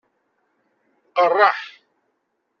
Qeṛṛeḥ.